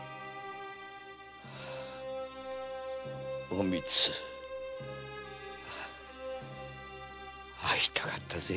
おみつ会いたかったぜ。